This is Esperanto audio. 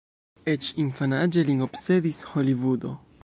Eĉ infanaĝe lin obsedis Holivudo.